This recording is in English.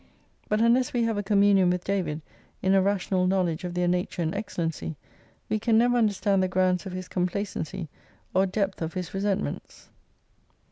But unless we have a communion with David in a rational knowledge of their nature and excellency, we can never understand the grounds of his complacency, or depth of his resentments.